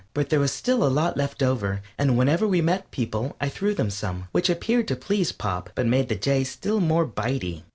But there was still a lot left over, and whenever we met people I threw them some, which appeared to please Pop, but made the Jay still more bite y.